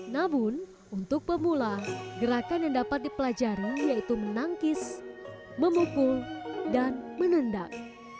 namun untuk pemula gerakan yang dapat dipelajari yaitu menangkis memukul dan menendang